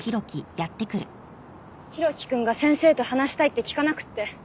ヒロキ君が先生と話したいって聞かなくって。